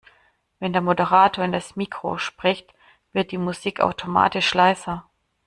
Wenn der Moderator in das Mikro spricht, wird die Musik automatisch leiser.